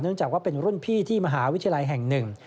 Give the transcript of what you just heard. จากว่าเป็นรุ่นพี่ที่มหาวิทยาลัยแห่งหนึ่ง